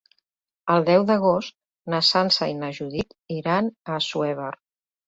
El deu d'agost na Sança i na Judit iran a Assuévar.